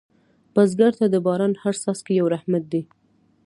بزګر ته د باران هره څاڅکې یو رحمت دی